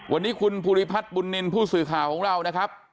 วันนี้คุณภูริพัฒน์บุญนินทร์ผู้สื่อข่าวของเรานะครับ